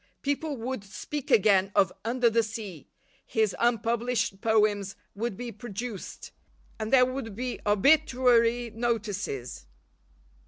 People would speak again of Under the Sea, his unpublished poems would be produced, and there would be obituary notices.